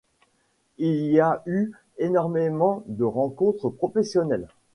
Il y a eu énormément de rencontres professionnelles.